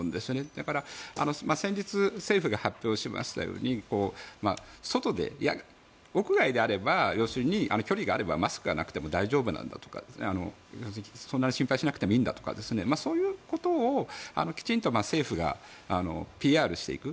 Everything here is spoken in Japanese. だから先日、政府が発表しましたように屋外であれば要するに、距離があればマスクがなくても大丈夫なんだとかそんなに心配しなくてもいいんだとか、そういうことをきちんと政府がＰＲしていく。